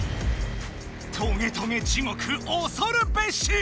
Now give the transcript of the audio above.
トゲトゲ地獄おそるべし！